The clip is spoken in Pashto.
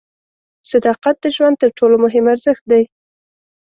صداقت د ژوند تر ټولو مهم ارزښت دی.